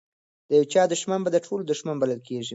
د یو چا دښمن به د ټولو دښمن بلل کیږي.